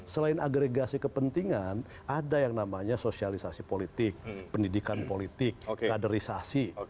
selain agregasi kepentingan ada yang namanya sosialisasi politik pendidikan politik kaderisasi